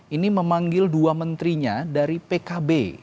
ini memanggil dua menterinya dari pkb